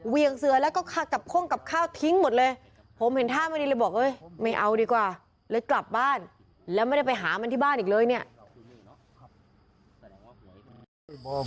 เวียงเสือแล้วก็กลับคล่องกลับข้าวทิ้งหมดเลย